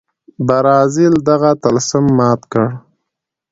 برازیل دغه طلسم مات کړ.